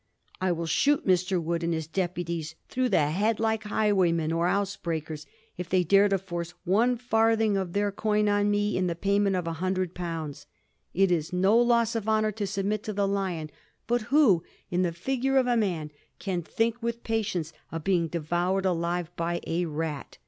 'I will shoot Mr. Wood and his deputies through the head, like highway men or house breakers, if they dare to force one farthing of their coin on me in the payment of an hundred pounds. It is no loss t2 Digiti zed by Google 324 A raSTORY OF THE FOUR GEORGES. en. xr. of honour to submit to the lion, but who in the figure of a man can think with patience of being devoured alive by a rat